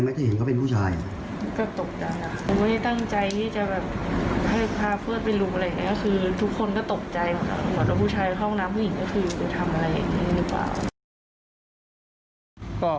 แล้วก็คือเขาวิ่งเข้าสายราแล้วก็ตบ